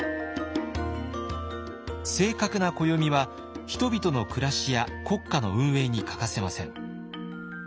正確な暦は人々の暮らしや国家の運営に欠かせません。